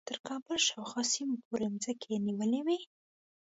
تر کابل شاوخوا سیمو پورې مځکې نیولې وې.